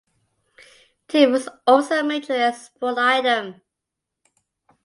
Tea was also a major export item.